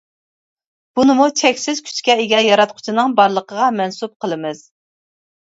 بۇنىمۇ چەكسىز كۈچكە ئىگە ياراتقۇچىنىڭ بارلىقىغا مەنسۇپ قىلىمىز.